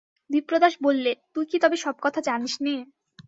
বিপ্রদাস বললে, তুই কি তবে সব কথা জানিস নে?